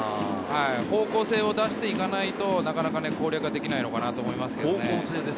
方向性を出していかないと、なかなか攻略できないのかなと思います。